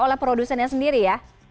oleh produsennya sendiri ya